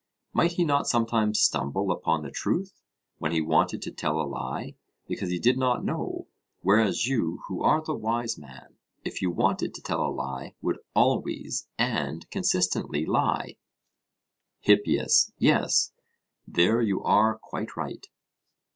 Might he not sometimes stumble upon the truth, when he wanted to tell a lie, because he did not know, whereas you who are the wise man, if you wanted to tell a lie would always and consistently lie? HIPPIAS: Yes, there you are quite right.